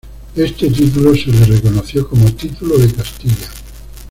Éste título se le reconoció como título de Castilla.